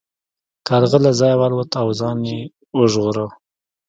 کارغه له ځایه والوت او ځان یې وژغوره.